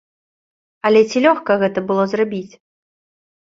Але ці лёгка гэта было зрабіць?